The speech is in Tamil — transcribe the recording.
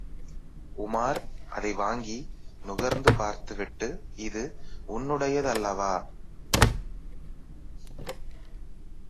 உமார், அதை வாங்கி நுகர்ந்து பார்த்துவிட்டு, இது உன்னுடையதல்லவா?